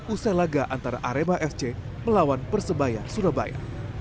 usai laga antara arema fc melawan persebaya surabaya